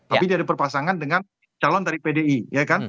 tapi dia diperpasangan dengan calon dari pdi ya kan